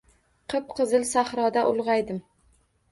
Qip-qizil sahroda ulgʼaydim.